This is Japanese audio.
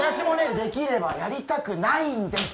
できればやりたくないんです